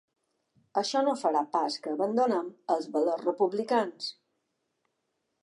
Això no farà pas que abandonem els valors republicans.